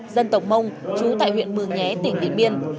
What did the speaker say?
dân tổng mông trú tại huyện mường nhé tỉnh điện biên